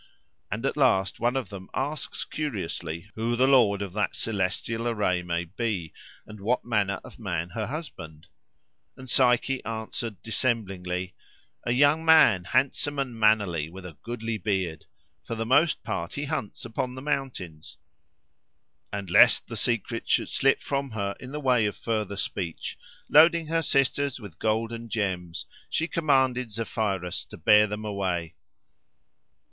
And at last one of them asks curiously who the lord of that celestial array may be, and what manner of man her husband? And Psyche answered dissemblingly, "A young man, handsome and mannerly, with a goodly beard. For the most part he hunts upon the mountains." And lest the secret should slip from her in the way of further speech, loading her sisters with gold and gems, she commanded Zephyrus to bear them away.